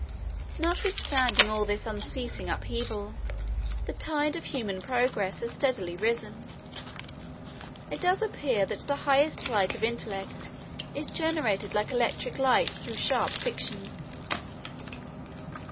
Notwithstanding all this unceasing upheaval, the tide of human progress has steadily risen. It does appear that the highest light of intellect is generated like electric light through sharp friction.